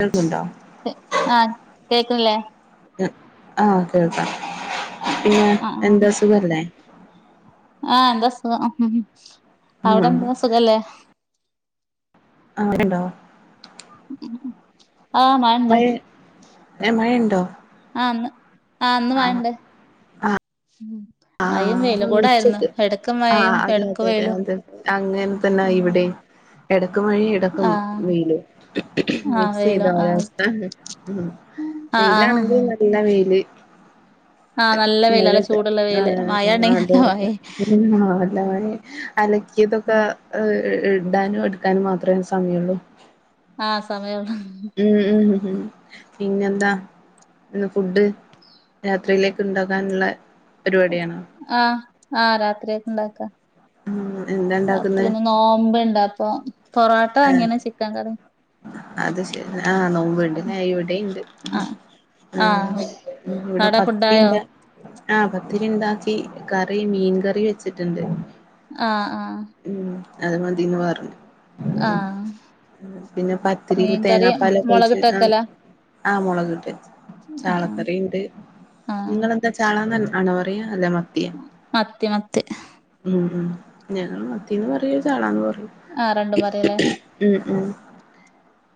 കേൾക്നീണ്ട ആഹ് കേക്ക്ണ്ല്ലേ ആഹ് കേൾക്കാം പിന്നെ ആഹ് ആഹ് എന്താ സുഖല്ലേ ആഹ് എന്താ സുഖം ഉം അവിടെന്താ സുഖല്ലേ ആഹ് മഴണ്ടോ ആഹ് മഴ മഴേ ഏഹ് മഴണ്ടോ ആഹ് ഇന്ന് ആഹ് മഴണ്ട് ആഹ് മഴയും വെയിലും ആഹ് കൂടായിര്ന്ന് ഉച്ചക്ക് എടക്ക് ആഹ് മഴയും അതെ എടക്ക് അതെ അതെ വെയിലും അതെ എടക്ക് മഴീം എടക്കും ആഹ് വെയിലും ആഹ് വെയിലും ആഹ് മിക്സ്യ്തൊരവസ്ഥ ആഹ് ആഹ് വെയിലാണെങ്കിൽ നല്ല വെയില് ആഹ് നല്ല വെയില് മഴ നല്ല ചൂട്ള്ള വെയില് മ ആഹ് അതെ അതെ [unintelligible] നല്ല മഴേ അലക്കിയതൊക്കെ ഉം ഏ ഇടാനും എട്ക്കാനും മാത്രേ സമയൊള്ളൂ ആഹ് സമയൊള്ളൂ മ്മ് ഉം ഉം ഉം പിന്നെന്താ ഇന്ന് ഫുഡ് രാത്രിയിലേക്ക് ഇണ്ടാക്കാന്ള്ള പരിപാടിയാണോ ആഹ് ആഹ് രാത്രികക്ക് ഇണ്ടാക്ക ഉം എന്താ ഉണ്ടാക്കുന്നെ രാത്രിന്ന് നോമ്പ്ണ്ട്പ്പോ പൊറോട്ട ഏഹ് വാങ്ങീണ് ചിക്കൻക്കറിം അത് ശരി ആഹ് നോമ്പ് പിന്ന ഇവടിണ്ട് ആഹ് ആഹ് ഇവടെ ആടെ ഫുഡായോ പത്തിണ്ടാ ആഹ് പത്തിരി ഇണ്ടാക്കി കറി മീൻ കറി വെച്ചിട്ട്ണ്ട് ആഹ് ആഹ് ഉം അത് മതീന്ന് പറഞ്ഞ് ആഹ് പിന്നെ പത്തിരീല് മീൻകറി തേങ്ങാപ്പാലൊക്കെ ഒഴിച്ച് മുളകിട്ട് ആഹ് വെക്കലാ ആഹ് മൊളകിട്ട് വെച്ച് ആഹ് ആഹ് ചാളക്കറിണ്ട് ആഹ് നിങ്ങളെന്താച ചാളന്നാല് ആണോ പറയാ അല്ലാ മ മത്തി മത്തി ഉം ഉം ഞങ്ങള് മത്തീന്ന് പറയും ചാളാന്ന് പറയും ആ രണ്ടും പറയല്ലേ ഉം ഉം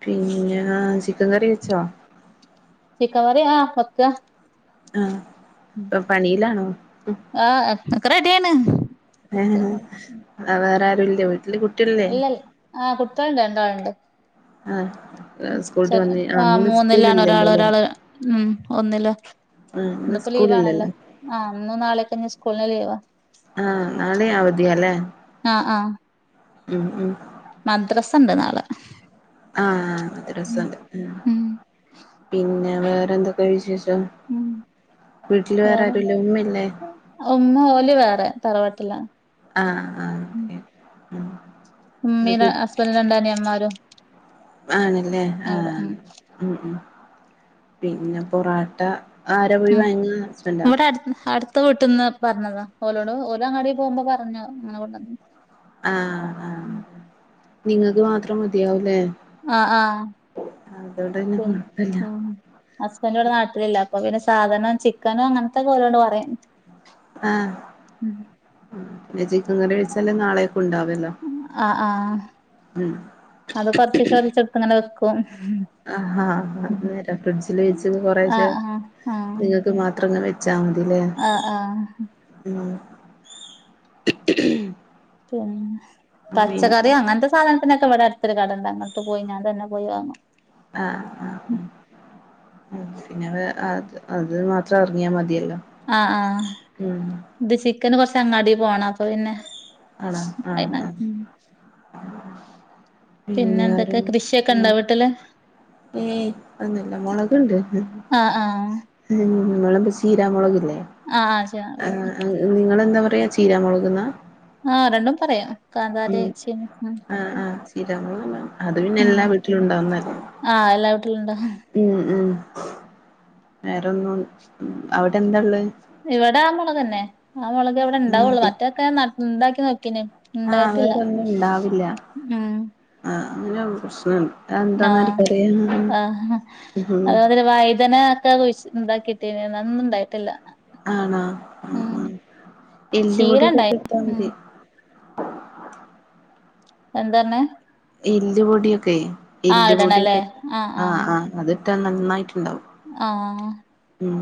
പിന്നെ ചിക്കൻ കറി വെച്ചോ ചിക്കൻ കറി ആഹ് വെക്ക ആഹ് ഉം ഇപ്പൊ പണിയിലാണോ ആഹ് ഒക്കെ റെഡിയാണ് കുക്കെയ്യാണോ അഹ് വേറെ ആരും ഇല്ലേ വീട്ടില് കുട്ടികളില്ലേ ഇല്ലൽ ആ കുട്ടികളുണ്ട് രണ്ടാളുണ്ട് ആഹ് സ്കൂൾട്ട് ചെറു വന്ന് അഹ് ആഹ് ഇന്ന് സ്കൂൾ മൂന്നിലാണ് ഒരാള് ഇല്ലല്ലോല്ലേ ഒരാള് ഉം ഒന്നില് ആ ഇന്ന് സ്കൂളില്ലല്ലോ ആ ഇന്നും നാളെയൊക്കെ ഇനി സ്കൂൾന് ലീവാ ആഹ് നാളെയും അവധിയാല്ലേ ആഹ് ആഹ് ഉം ഉം മദ്രസ്സ ഉണ്ട് നാളെ ആഹ മദ്രാസ്സണ്ട് ഉം പിന്നെ വേറെന്തൊക്കെ വിശേഷം ഉം വീട്ടില് വേറെ ആരുല്ലേ ഉമ്മയില്ലേ ഉമ്മ ഓലെ വേറെ തറവാട്ടിലാണ് ആഹ് ആഹ് ഉ ഉമ്മീടെ [unintelligible] രണ്ടാന്റെ അമ്മാരും ആണല്ലേ ആഹ് ഉം ഉം പിന്നെ പൊറോട്ട ഉം ഇവിടെ അടുത്ത അടുത്ത വീട്ടന്ന് പറഞ്ഞതാ ഓലോട് ഓല് അങ്ങാടി പോകുമ്പോ പറഞ്ഞോ അങ്ങനെ കൊണ്ടന്ന - ആഹ് ആഹ് നിങ്ങക്ക് മാത്രം മതിയാവും ല്ലേ ആഹ് ആഹ് പിന്നെ കൊഴപ്പല്ല [inaudible] ഉ ഹസ്ബൻഡ് ഇവിടെ നാട്ടിലില്ല അപ്പൊ പിന്നെ സാധനവും ചിക്കനും അങ്ങനത്തെക്കെലോട് പറയും ആഹ് ചിക്കൻ കറി വെച്ചാല് നാളെക്കും ഉണ്ടാവല്ലോ ആഹ് ആഹ് ഉം അത് കൊറചീച്ച റീചാ ച്ചെടുത്ത് ഇങ്ങനെ വെക്കും ആഹാ അത് നേരാ ഫ്രിഡ്ജിൽ വെച്ച് കൊറേശ ആഹ് ആഹ് ആഹ് നി ത് മാത്രംങ് വെച്ചാ മതിലെ ആഹ് ആഹ് മം പിന്നെ പച്ചക്കറി അങ്ങനത്തെ സാധനത്തിനൊക്കെ ഇവിട അടു തൊരു കടണ്ട് അങ്ങട്ട് പോയി ഞാൻ തന്നെ പോയി വാങ്ങും ആഹ് ആഹ് പിന്നെ അത് അത് മാത്രം ഇറങ്ങിയാൽ മതിയല്ലോ ആഹ് ആഹ് ഉം ഇത് ചിക്കന് കൊറച്ച് അങ്ങാടി പോണം അപ്പൊ പിന്നെ ആണോ ആഹ് അയിന് ആഹ് ഉം പിന്നെ വറെ എന്തൊക്കെ കൃഷിയൊക്കെ ഇണ്ടോ വീട്ടില് ഏയ് ന്നുല്ല മുളക്ണ്ട് ആഹ് ആഹ് ചീരാമുളകല്ലേ ആഹ് ചീ നിങ്ങളൾന്താ പറയ ചീര മുളക് ന്ന ആഹ് രണ്ടും പറയാ ആഹ് ആഹ് ചീരാമുളക് അത് പിന്ന ഉം എല്ലാ വീട്ടിലും ഉണ്ടാവുന്നല്ലേ ആഹ് എല്ലാ വീട്ടിലും ഉണ്ടാ മം മം വേറെന്നും അവിടെ എന്താള്ളെ ഇവടെ ആ മോളകന്നെ ആ മോളക് വിടെ ഇണ്ടാവാള്ളു മറ്റൊക്കെ ഞാൻ ന ണ്ടാക്കി നോക്കിന് ആഹ് വേറെന്നും ഉണ്ടാവില്ല ഉം ആഹ് അങ്ങനെ പ്രശ്നണ്ട് അതെന്താന്ന് ആഹ് ആർക്കറിയാ ആഹ് ഉം അത് പോലെ വൈതന ക്കെ കുഴി ഇണ്ടാക്കിട്ടിനി അന്നും ണ്ടായിട്ടില്ല ആണോ മം മം എല്ല് ചീര പൊടി യൊക്കെ ഇട്ട് ഇണ്ടായി കൊടുത്താ ഉം മതി എന്താർഞ്ഞെ എല്ല് പൊടിയൊക്കെ എല്ല് പൊടിയൊക്കെ ആഹ് ആഹ് അത്ട്ടാ നന്നായിട്ട് ണ്ടാവും ആഹ് ഉം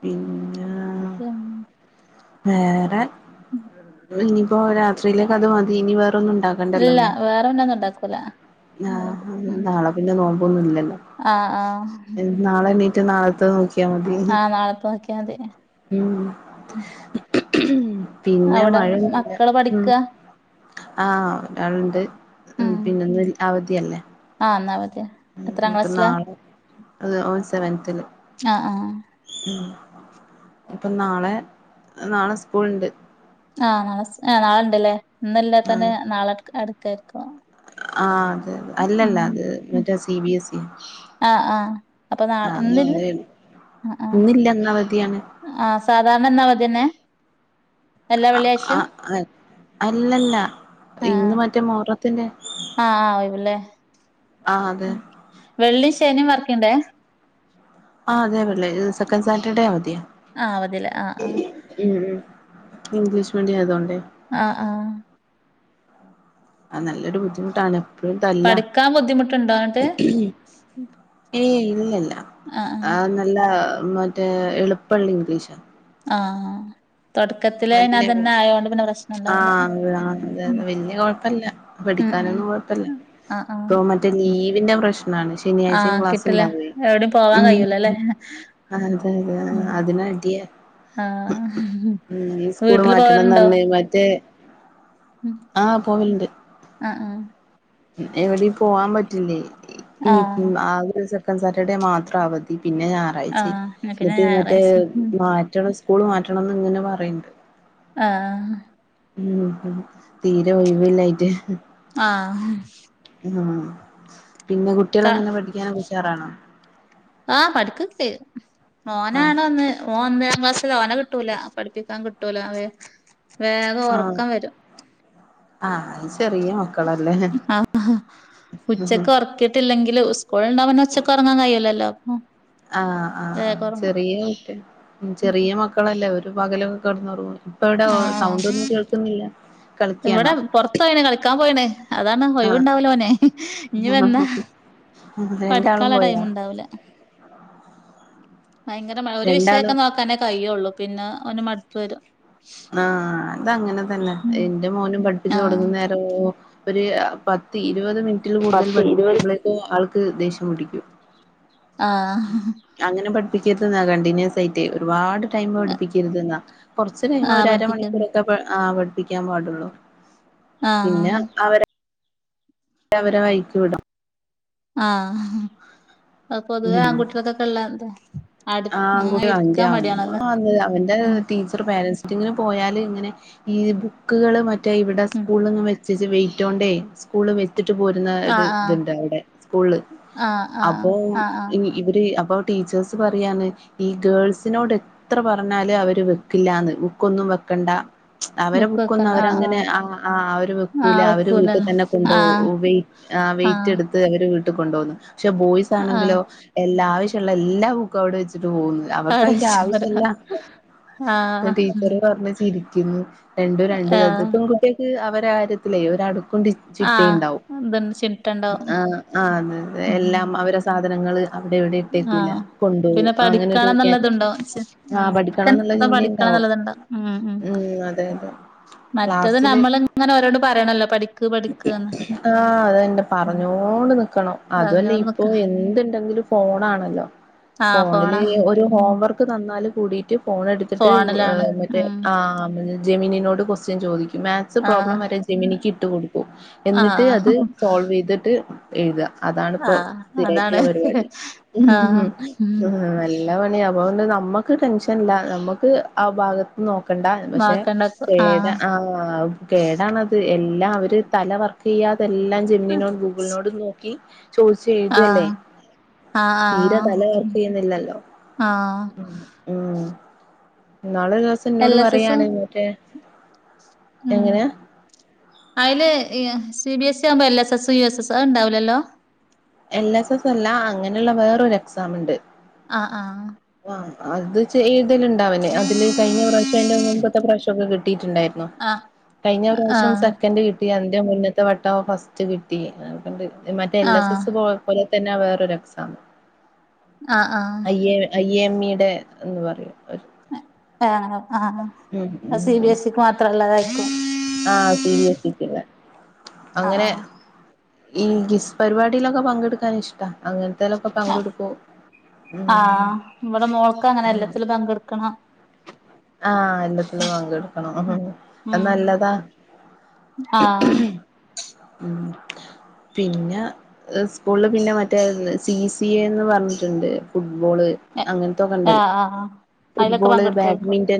പിന്നാ ആഹ് [unintelligible] വേറെ ഇനിയിപ്പോ രാത്രിയിലേക് അത് മതി ഇനി വേറൊന്നും ഇണ്ടാക്കു ഇല്ല വേറെന്നും ഉണ്ടാക്കൂല മതി ആഹ് ഉം നാളെ പിന്നെ നോമ്പോന്നും ഇല്ലല്ലോ ആഹ് ആഹ് നാളെ എണ്ണീറ്റ് നാളത്തെ നോക്കിയാ മതി ആഹ് നാളത്തെ നോക്കിയാ മതി മം പിന്നെ അവിടെ മഴയൊന്നുല്ല മക്കള് പഠിക്കാ ആഹ് ഒരാളുണ്ട് ഉം പിന്നെന് അവധിയല്ലേ ആഹ് ഇന്ന് അവധിയാണ് ഇപ്പ നാളെ അത് ഓ സെവൻത്തില് ആഹ് ആഹ് പ്പം നാളെ നാളെ സ്കൂൾ ഉണ്ട് ആഹ് നാളെ ആ നാളണ്ടല്ലേ ഇന്ന് ല്ലാതത്തിനു ആഹ് നാളെ എടുക്കായിരിക്കും ആഹ് അതെ അല്ലല്ല അത് ഉം മറ്റേ സി ബി എസ് ഇ ആഹ് ആഹ് അപ്പൊ നാളെ ആഹ് ഇന്നില്ല നാളെണ് ആഹ് ആഹ് ഇന്നില്ല ഇന്ന് അവധിയാണ് ആഹ് സാധാരണ ഇന്ന് അവധിയന്നെ ആഹ് അല്ലല്ല ആഹ് ഇന്ന് മറ്റേ മുഹറത്തിന്റെ ആഹ് ആഹ് ആഹ് ഒഴിവല്ലേ ആഹ് അതെ വെള്ളി ശനിയും വർക്കിങ്ങടെ ആ അതെ വെള്ളിയാഴ്ച സെക്കന്റ്‌ സാറ്റർഡേ അവധിയാ ആ അവധി ല്ലേ ആ ആ ഉം ഉ ഇംഗ്ലീഷ് മീഡിയം ആയതുകോണ്ടേ ആ ആഹ അ നല്ലൊരു ബുദ്ധിമുട്ടാണ് എപ്പഴും തല്ല പഠിക്കാൻ ബുദ്ധിമുട്ടുണ്ടോ എന്നിട്ട് ഏയ് ഇല്ലല്ല ആഹ് ആഹ നല്ല മറ്റേ എളുപ്പള്ള ഇംഗ്ലീഷ ആഹ വല്യ പ്രശ്നം ആഹ ഉണ്ടാവൂല ആല്ല ഉം വല്യ കുഴപ്പല്ല ഉം ഉം പഠിക്കാനൊന്നും കുഴപ്പല്ല ആഹ് ആഹ് ഇപ്പൊ മറ്റേ ലീവിന്റെ പ്രശ്നാണ് ശനിയാഴ്ചെ ആഹ് ക്ലാസ് കിട്ടില്ല ഉണ്ടാവേ എവിടെയും പോവാൻ ഉ കഴിയൂലല്ലേ ആ അതെ അതെ ആ അതിനാ അടിയ ആഹ ഉ സ്കൂള് മാറ്റണംന്ന മറ്റേ ആഹ് പോവലുണ്ട് ആ ആ എവിടെ പോവാൻ പറ്റില്ലേ ഈ ആഹ് ആക [unintelligible] സെക്കൻ സാറ്റർഡേ മാത്രം അവധി പിന്നെ ഞായറാഴ്ച ആഹ് എന്നാ പിന്നെ എന്നിട്ട് മറ്റേ ഞായറാഴ്ച മാറ്റണം സ്കൂള് മാറ്റണംന്ന് ഇങ്ങനെ പറയണ്ട് ആഹ ഉം തീരെ ഒഴിവല്ലായിട്ട് ആഹ ഉ പിന്നെ കുട്ടികള ക എങ്ങനെ പഠിക്കാനൊക്കെ ഉഷാറാണോ ആഹ് പഠക്കക്കെചെയ്യും ആഹ് മോനാണ് ഒന്ന് ഓൻ ഒന്നാം ക്ലാസ്സിൽ ഓനെ കിട്ടൂല പഠിപ്പിക്കാൻ കിട്ടൂല വേഗം ഉറക്കം വരും ആഹ അത് ചെറിയോ ആ ആഹ് ഉച്ചക്ക ഉറക്കിട്ട് ട്ടില്ലെങ്കില് സ്കൂൾ ഉണ്ടാവുമ്പോ ഒച്ചക്ക് ഒറങ്ങാൻ കഴയില്ലല്ലോ അപ്പൊ ആഹ് ആഹ് ആ് വേഗം ഉറങ്ങും ചെറിയ മറ്റെ ചെറിയ മക്കളല്ലേ ഒരു പകലൊക്കെ കടന്ന്റ ഇപ്പ ഇവിടെ സൗണ്ട് ആഹ് ഒന്നും കേൾക്കുന്നില്ല ഇവിടെ കളിക്കാണോ പുറത്ത പോയിണ് കളിക്കാൻ പോയിണ് അതാണ് ആഹ് ഒഴവുണ്ടാവലോനെ ഇനി വന്നാ രണ്ടാളും പഠിക്കാനുള്ള ടൈമ പോയാ ഉണ്ടാവൂല ഭയങ്കര ഒരു വിഷയൊക്കെ രണ്ടാളും നോക്കാനേ കഴുള്ളു പിന്നെ ഒന് മടുപ്പ് വരും ആഹ അതങ്ങനെ തന്നെ ഉം എന്റെ മോനും പഠിപ്പിച്ചു ആഹ് കൊടുങ്ങുന്നേരോ ഒരു പത്ത് ഇരുപത് മിനിറ്റിൽ കൂടുതൽ പത്ത് ഇരുപത് പഠിപ്പിക്കുമ്പോഴേക്കെ ആൾക്ക് ദേഷ്യം പിടിക്കും ആഹ അങ്ങനെ പഠിപ്പിക്കരുതെന്നാ കണ്ടിന്യൂസ് ആയിട്ടേ ഒരുപാട് ടൈം പഠിപ്പിക്കരുത്ന്നാ കുറച്ച് കഴിയുമ്പോ ആഹ് പഠിപ്പിക്കുന്നു ഒരുരമണിക്കൂറോക്കെ പഠിപ്പിക്കാൻ പാടുള്ളൂ പിന്നെ ആഹ് അവരെ അവരെ വഴിക്ക് വിടും ആഹ് അ പൊതുവേ ആൺകുട്ടികൾക്കൊക്കെ ഉള്ളതാ ആ അകൂട്ടിയ അവന്റെ അമ്മത് അവന്റെ ഉം ടീച്ചർ പേരൻസ് റ്റിങ്ങിന് പോയാല് ഇങ്ങനെ ഈ ബുക്കുകള് മറ്റേ ഇവിടെ ഉം സ്കൂളിൽ വെയ്റ്റ് കൊണ്ട് സ്കൂള് വെ വെച്ചിട്ട് പോരുന്ന ആഹ് ആഹ് ഇതുണ്ട് അവിടെ സ്കൂള ആഹ് ആഹ് അപ്പൊ ആഹ് ആഹ് ഇനി ഇവര് അബ ടീച്ചേഴ്സ് പറയാണ് ഈ ഗേൾസിനോട് അത്ര പറഞ്ഞാല് അവര് വെക്കില്ലന്ന് ബുക്കൊന്നും വെക്കണ്ട അവരെ ബുക്ക് ബുക്കൊന്നും വെക്കണ്ട ആഹ് അവരങ്ങനെ ആഹ് ആ ആ ആര് വെക്കൂല ആഹ് അവര് വീട്ടിൽ വെക്കൂലല്ലോ തന്നെ കൊണ്ടോ ആഹ് ആ വെയിറ്റ് ആഹ് എടുത്ത് അവര് വീട്ടിൽ കൊണ്ടു പോകുന്നു പക്ഷെ ബോയ്സ് ആഹ് ആണെങ്കിലോ എല്ല ആവശ്യമുള്ള എല്ലാ ബുക്കും അവിടെ വെച്ചിട്ട് പോകുന്നത് അവർക്ക് അവിടെ അതിന്റെ വെച്ചോര ആവശ്യല്ല ആഹ് ടീച്ചറ് പറഞ്ഞ് ചിരിക്കുന്ന് രണ്ടും രണ്ട ആഹ് തത്െൺകുട്ടിയ അവര കാര്യത്തിലേ ഒര അടുക്കൊണ്ട് ആഹ് ചിട്ടിണ്ടാവും ഇതുണ്ട് ചിട്ടണ്ടാവും ആ ആ അതതെ എല്ലാം അവര സാധനങ്ങള് അവിടെ എവിടെ ഇട്ടേക്കൂല ആഹ് കൊണ്ടോവും പിന്നെ അങ്ങനെരു പഠിക്കണം ക്യാരകട്ര എന്നുള്ളതുണ്ടാവും ആഹ ഉം പഠിക്കണംന്നുള്ള എന്താ പഠിക്കണം ചിതിുണ്ടാവും എന്നുള്ളതുണ്ടാവും ഉം അതെ അതെ മറ്റത് ക്ലാസില് നമ്മള് ഇങ്ങനെ ഓരോട് പറയണല്ലോ പഠിക്ക് പഠിക്ക്ന്ന് ആഹ അതന്റെ പറഞ്ഞോണ്ട് നി വക്കണം അതുവല്ല പറഞ്ഞോണ്ട് നിക്ക ഇപ്പോ എന്തുണ്ടെങ്കിലും ഫോണാണല്ലോ ആഹ് ഫോണാ ഫോണില് ഒരു ഉം ഹോംവർക്ക് ന്ന കൂടിട്ട് ഫോൺ എടുത്തിട്ട്് ഫോണിലാണ് മറ്റേ ഉം ആഹ ജെമിനിനോട് ക്വസ്റ്റ്യൻ ചോദിക്കും മാ ആഹ് പ്രോബ്ലം വരെ ജെമീനിക്ക് ഇട്ട് കൊടുക്കു എന്നിട്ട് ആഹ് അത് സോൾവ് ചെയ്തിട്ട് എഴ്ത അതാണിപ്പോ ആഹ് അതാണ് സ്ഥിരായിട്ടുള്ള പരിവാടി ആഹ് ഉം ആഹ നല്ല പണിയ അപ്പൊണ്ട് നമ്മുക്ക് ടെൻഷൻല്ല നമ്മുക്ക് ആ ഭാഗത്ത് നോക്കണ്ട പക്ഷെ വാക്കണ്ടക്ക ഏത ആഹ് അ ആഹ കേടാണത് എല്ലാം അവര് തല വർക്കെയ്യാതെല്ലാം ജെിമിനിനോടും ഗൂഗ്ൾനോടും നോ ക്കി ചോദിച്ച് എഴുതല്ലേ ആഹ് ആഹ് തീര ആഹ് തല വർ ക്കെയ്യുന്നില്ലല്ലോ ആഹ് ഉം നാളെരുസ് എൽ ന്നോട് എസ് എസ് പറയാണ് ഉം എന്നിട്ട് എങ്ങനെയ അയില് എ സി ബി എസ് ആവുമ്പോ L S S U S S അയ് ണ്ടാവുലല്ലോ എൽ എസ് എസ് അല്ല അങ്ങനെള്ള വേറൊരു എക്സാം ണ്ട് ആഹ് ആഹ ആഹ അത് ചെയ്യ്തണ്ടഉണ്ടാവനെ അതില് കഴിഞ്ഞ പ്രാവശ്യം അ്ന്റെ മുമപത്തെ പ്രാവശ്യം ഒക്കെ [unintelligible] കിട്ടിയിട്ടുണ്ടായിരുന്നു കഴിഞ്ഞ ഒരു പ്രാവശ്യം ആഹ് സെക്കൻഡ് കിട്ടി അതിന്റെ മുന്നത്തെ വട്ടം ഫസ്റ്റ് കിട മറ്റേ എൽ എസ് ആഹ് എസ് പോലെ തന്നെ വേറ ഒരു എക്സാം ആഹ് ആഹ് ആഹ് അയ്യെ അയ്യെ എമ്മിടെ എന്ന് പറയും ഏ ആഹ് ഉം അയ് സി ബി എസ് സിക്ക് മാത്രല്ലതായിരിക്കും ആഹ് സി ബി എസ് ഇക്ക് ള്ളെ അങ്ങനെ ആഹ് ഈ ഗിസ് പരിപാടിയിലൊക്കെ പങ്കെടുക്കാൻ ഇഷ്ടാ അങ്ങനത്തേലൊക്കെ ആഹ് പങ്കെടുക്കു ആഹ് ഇവടെ മോൾക്ക് അങ്ങനെ എല്ലാത്തിലും പങ്കെടുക്കണം ആഹ് എല്ലത്തിലും പങ്കടുക്കണംഅത് ഉം നല്ലതാ ആഹ് ഉം പിന്നെ സ്കൂൾൽ പിന്നെ മറ്റേ സി സി ഏന്ന് പറഞ്ഞിട്ടുണ്ട് ഫുട്ബോള് അങ്ങൻത്തൊക്കെ ണ്ടൽ ആഹ് ആഹ് അതിലൊക്കെ ഫുട്ബോള് ബാ പങ്കെടുക്കായിരിക്കും ബാഡ്മിന്റ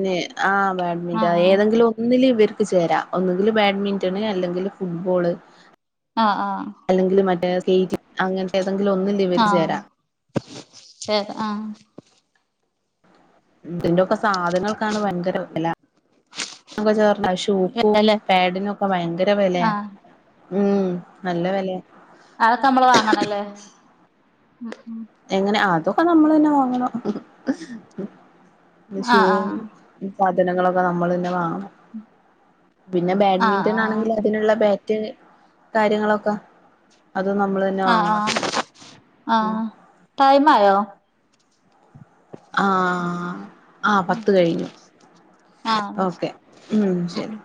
ആഹ് ബാഡ്മിന്റ ആഹ് ഏതെങ്കിലും ഒന്നിൽ ഇവർക്ക് ചേരാ ഒന്നുങ്കില് ബാഡ്മിന്റണ് അല്ലെങ്കില് ഫുട്ബോള് ആഹ് ആഹ് അല്ലെങ്കിൽ മറ്റേ സ്റ്റേജ് അങ്ങനത്തെ ഏതെങ്കിലും ഒന്ന് ആഹ് ചേരാം ആഹ് ഇതിന്റെക്കെ സാധനങ്ങൾക്കാണ് ഭയങ്കര വെല ക്കെ ചേർർന്നാ ഷൂക്കും അല്ലേ പാടിനും ഒക്കെ ഭയങ്കര വെലയാ ആഹ് ഉം നല്ല വെലയ അതൊക്കെ നമ്മള് വാങ്ങണല്ലേ എങ്ങനെ അ അതൊക്കെ നമ്മൾ തന്നെ വോങ്ങണം ഷൂ ആഹ് ആഹ് സാധനങ്ങളൊക്കെ നമ്മള്ളന്നെ വാങ്ങണം പിന്നെ ആഹ് ബാഡ്മിന്റൺ ആഹ് ആണെങ്കില് അതിനുള്ള ബാറ്റ് കാര്യങ്ങളൊക്ക അത് നമ്മള് ആഹ് ആഹ് ആഹ അയ്യാ ടൈംയോ ആഹ് ആഹ് ആഹ് പത്ത് കഴിഞ്ഞു ആഹ് ഓക്കെ ഉം ശരി